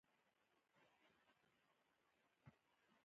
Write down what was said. د خپلې خوښې د شکل متناسب قطي را ټولې کړئ.